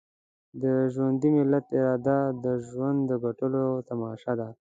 د ژوندي ملت اراده د ژوند د ګټلو تماشه ده.